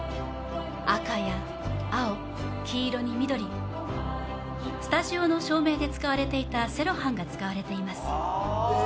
赤や青、黄色に緑、スタジオの照明で使われていたセロハンが使われています。